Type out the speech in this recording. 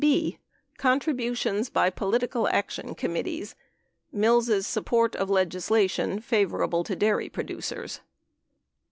B. Contributions bt Political Action Committees — Mills' Support of Legislation Favorable to Dairy Producers 1.